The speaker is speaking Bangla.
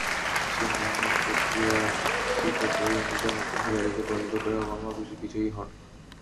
সেই মনোনয়ন প্রক্রিয়ায় তীব্র প্রতিদ্বন্দ্বিতার মাধ্যমে হিলারিকে পরাজিত করে ওবামা বিজয়ী হন।